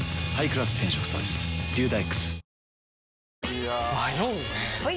いや迷うねはい！